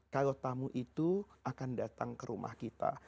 kalau tamu itu akan datang ke rumah kita